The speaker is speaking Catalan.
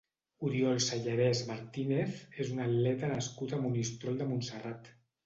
Oriol Sellarès Martínez és un atleta nascut a Monistrol de Montserrat.